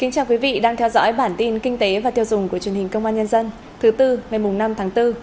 chào mừng quý vị đến với bản tin kinh tế và tiêu dùng của truyền hình công an nhân dân thứ tư ngày năm tháng bốn